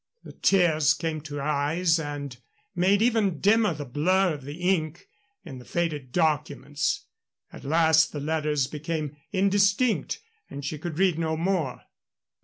The tears came to her eyes and made even dimmer the blur of the ink in the faded documents. At last the letters became indistinct, and she could read no more.